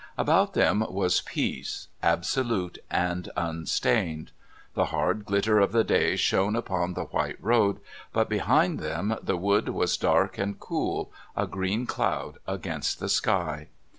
About them was peace, absolute and unstained. The hard glitter of the day shone upon the white road, but behind them the wood was dark and cool, a green cloud against the sky.